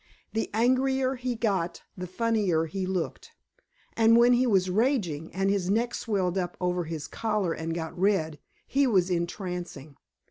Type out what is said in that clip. The angrier he got the funnier he looked, and when he was raging, and his neck swelled up over his collar and got red, he was entrancing.